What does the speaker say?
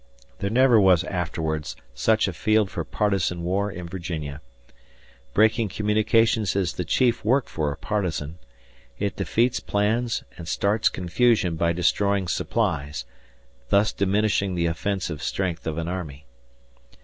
There never was afterwards such a field for partisan war in Virginia. Breaking communications is the chief work for a partisan it defeats plans and starts confusion by destroying supplies, thus diminishing the offensive strength of an army.